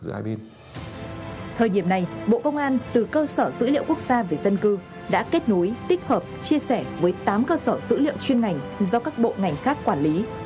cơ sở dữ liệu quốc gia về dân cư đã kết nối tích hợp chia sẻ với tám cơ sở dữ liệu chuyên ngành do các bộ ngành khác quản lý